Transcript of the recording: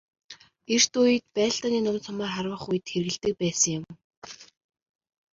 Эрт үед байлдааны нум сумаар харвах үед хэрэглэдэг байсан юм.